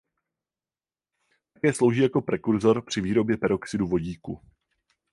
Také slouží jako prekurzor při výrobě peroxidu vodíku.